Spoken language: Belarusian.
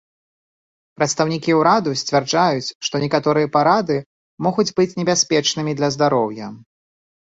Прадстаўнікі ўраду сцвярджаюць, што некаторыя парады могуць быць небяспечнымі для здароўя.